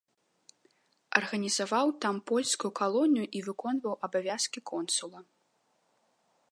Арганізаваў там польскую калонію і выконваў абавязкі консула.